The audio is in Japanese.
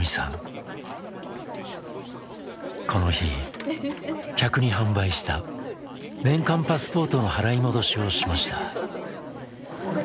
この日客に販売した年間パスポートの払い戻しをしました。